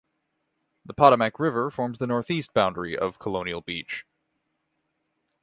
The Potomac River forms the northeast boundary of Colonial Beach.